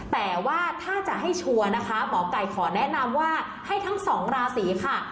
แต่ว่าถ้าจะให้ชัวร์นะคะหมอไก่ขอแนะนำว่าให้ทั้งสองราศีค่ะ